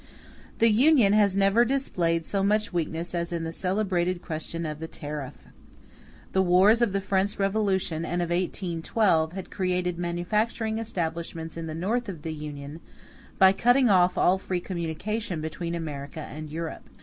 The Union has never displayed so much weakness as in the celebrated question of the tariff. *a The wars of the French Revolution and of 1812 had created manufacturing establishments in the North of the Union, by cutting off all free communication between America and Europe.